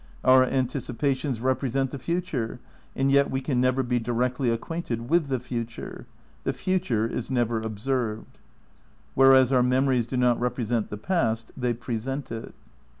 ... Our anticipations represent the future, and yet we can never be directly acquainted with the future. ... The future is never observed." " Whereas our memories do not represent the past, they present it.